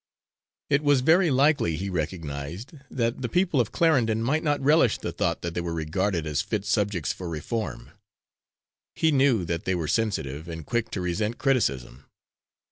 It was very likely, he recognised, that the people of Clarendon might not relish the thought that they were regarded as fit subjects for reform. He knew that they were sensitive, and quick to resent criticism.